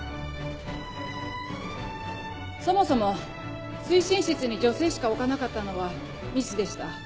そもそも推進室に女性しか置かなかったのはミスでした。